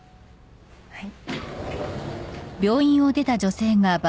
はい。